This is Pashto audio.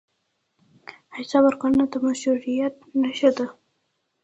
حساب ورکونه د مشروعیت نښه ده.